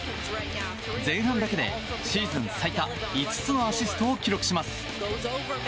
前半だけでシーズン最多５つのアシストを記録します。